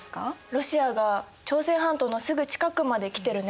ロシアが朝鮮半島のすぐ近くまで来てるね。